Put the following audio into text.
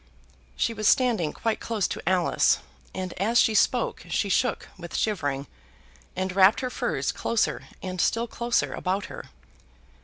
She was standing quite close to Alice, and as she spake she shook with shivering and wrapped her furs closer and still closer about her.